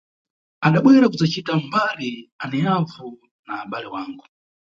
Adabwera kudzacita mbali aneyavu na abale wangu.